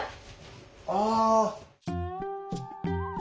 ああ。